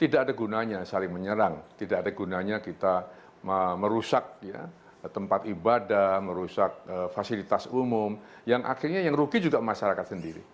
tidak ada gunanya saling menyerang tidak ada gunanya kita merusak tempat ibadah merusak fasilitas umum yang akhirnya yang rugi juga masyarakat sendiri